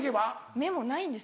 メモないんです